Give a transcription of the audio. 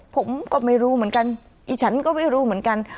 ผมก็ไม่รู้เหมือนกันอีฉันก็ไม่รู้เหมือนกัน